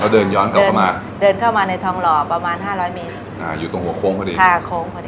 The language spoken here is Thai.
แล้วเดินย้อนกลับมาเดินเข้ามาในทองหล่อประมาณ๕๐๐มิตรอ่าอยู่ตรงหัวโค้งพอดีค่ะโค้งพอดี